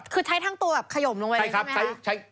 คือใช้ทั้งตัวแบบขยมลงไปเลยใช่ไหม